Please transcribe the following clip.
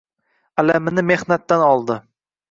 Alamini mehnatdan oldi